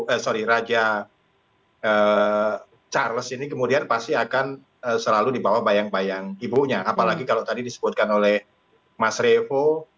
eh sorry raja charles ini kemudian pasti akan selalu dibawa bayang bayang ibunya apalagi kalau tadi disebutkan oleh mas revo